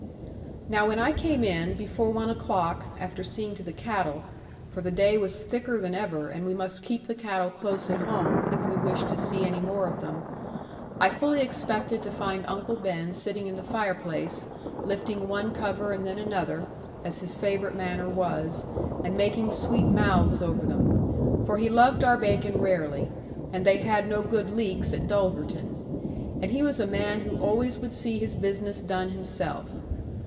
Now when I came in, before one o'clock, after seeing to the cattle for the day was thicker than ever, and we must keep the cattle close at home, if we wished to see any more of them I fully expected to find Uncle Ben sitting in the fireplace, lifting one cover and then another, as his favourite manner was, and making sweet mouths over them; for he loved our bacon rarely, and they had no good leeks at Dulverton; and he was a man who always would see his business done himself.